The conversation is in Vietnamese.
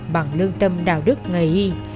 bằng lương tâm đạo đức nghề y